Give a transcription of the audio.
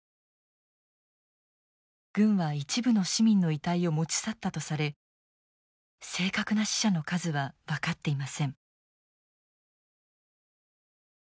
軍は一部の市民の遺体を持ち去ったとされ正確な死者の数は分かっていません。